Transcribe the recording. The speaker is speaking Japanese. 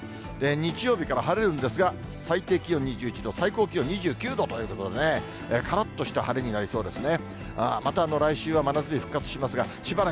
日曜日から晴れるんですが、最低気温２１度、最高気温２９度ということでね、からっとした晴れになりそうですね。